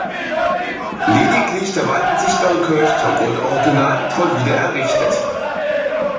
Lediglich der weithin sichtbare Kirchturm wurde originalgetreu wieder errichtet.